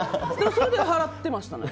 それで払ってましたね。